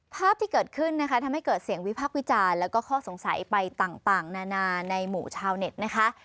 ภาพที่เกิดขึ้นนะคะทำให้เกิดเสียงวิพักษ์วิจารณ์แล้วก็ข้อสงสัยไปต่างนานาในหมู่ชาวเน็ตนะคะ